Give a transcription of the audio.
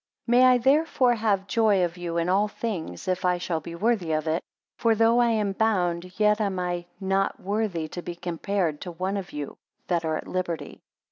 MAY I therefore have joy of you in all things, if I shall be worthy of it. For though I am bound, yet am I not worthy to be compared to one of you that are at liberty.